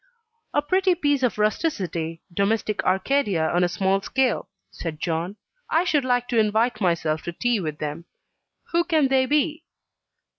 "A pretty piece of rusticity domestic Arcadia on a small scale," said John; "I should like to invite myself to tea with them. Who can they be?"